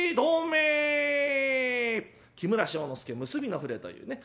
木村庄之助結びの触れというね。